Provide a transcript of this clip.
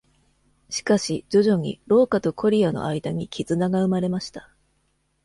しかし、徐々に、ロウカとコリヤの間に絆が生まれました。